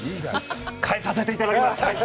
変えさせていただきます。